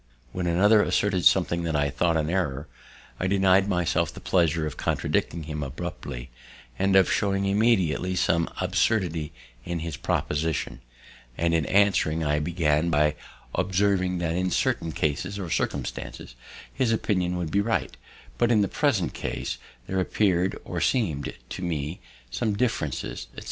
When another asserted something that I thought an error, I deny'd myself the pleasure of contradicting him abruptly, and of showing immediately some absurdity in his proposition; and in answering I began by observing that in certain cases or circumstances his opinion would be right, but in the present case there appear'd or seem'd to me some difference, etc.